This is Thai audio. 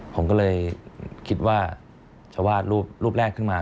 ผมก็เลยคิดว่าจะวาดรูปแรกขึ้นมา